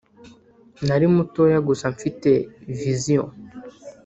nari mutoya gusa mfite vision